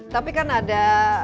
tapi kan ada